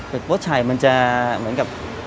เป็ดโพชัยมันจะเหมือนกับ